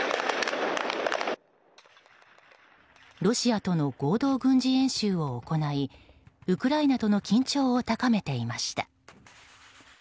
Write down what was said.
ロシアとの合同軍事演習を行いウクライナとの緊張を高めていました。